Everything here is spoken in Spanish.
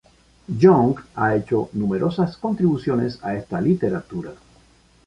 Young ha hecho numerosas contribuciones a esta literatura.